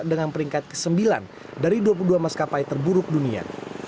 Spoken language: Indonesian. dengan peringkat ke sembilan dari dua puluh dua maskapai terburuk dunia